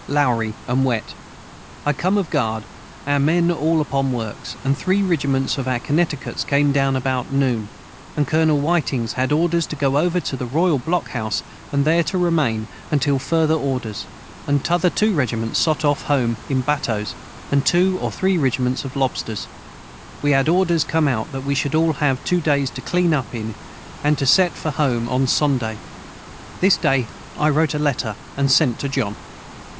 Lowry & wet I come of guard our men all upon works & 3 rigiments of our Conneticuts came down about noon & Colonel Whitings had orders to go over to the Royal Block House and their to remain til further orders and tother 2 rigiments Sot of Home in Battoes & 2 or 3 rigiments of lobsters we had orders com out that we should have 2 days to clean up in & to set for Home on Sonday this day I wrote a Letter & sent to John.